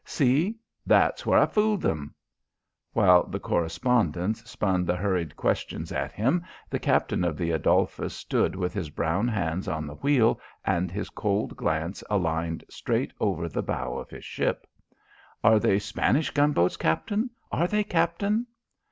See? There's where I fooled 'im " While the correspondents spun the hurried questions at him, the captain of the Adolphus stood with his brown hands on the wheel and his cold glance aligned straight over the bow of his ship. "Are they Spanish gunboats, Captain? Are they, Captain?"